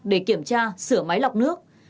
để kiểm tra sửa máy lọc nước